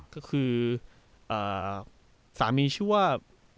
ก็คือสามีชื่อว่า